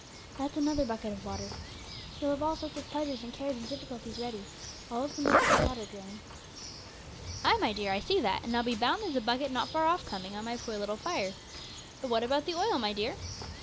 That's another bucket of water!" He'll have all sorts of pleasures, and cares, and difficulties ready, all of them buckets of water, granny.' 'Ay, my dear, I see that, and I'll be bound there's a bucket not far off coming on my poor little fire. But what about the oil, my dear?'